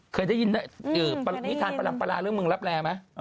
เคยได้ยินนิทานประลำปลาเรื่องเมืองรับแรไหม